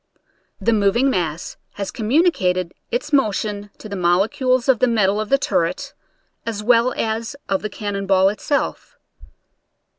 The moving mass has communi cated its motion to the molecules of the metal of the turret, as well as of the cannon ball itself.